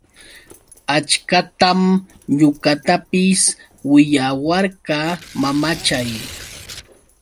Achkatam ñuqatapis willawarqa mamachay.